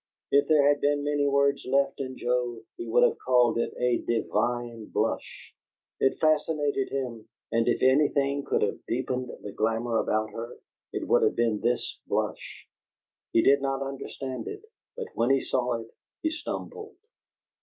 If there had been many words left in Joe, he would have called it a divine blush; it fascinated him, and if anything could have deepened the glamour about her, it would have been this blush. He did not understand it, but when he saw it he stumbled.